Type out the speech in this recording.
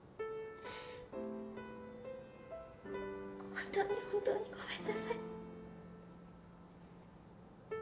本当に本当にごめんなさい。